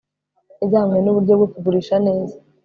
yajyanywe nuburyo bwo kugurisha neza